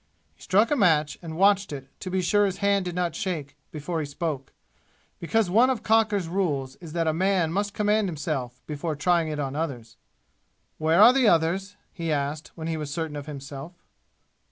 He struck a match and watched it to be sure his hand did not shake before he spoke, because one of Cocker's rules is that a man must command himself before trying it on others. "Where are the others?" he asked, when he was certain of himself.